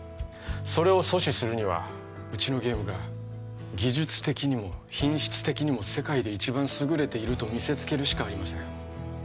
それを阻止するにはうちのゲームが技術的にも品質的にも世界で一番優れていると見せつけるしかありません